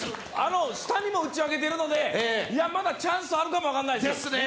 の下にも打ち上げてるのでまだチャンスはあるかも分からないです。